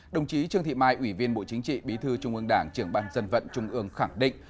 đồng chí trương thị mai ủy viên bộ chính trị bí thư trung ương đảng trưởng ban dân vận trung ương khẳng định